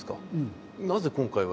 なぜ今回は。